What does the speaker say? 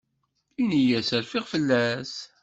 Ini-as rfiɣ fell-as.